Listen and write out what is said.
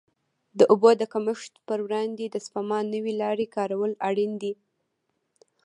د اوبو د کمښت پر وړاندې د سپما نوې لارې کارول اړین دي.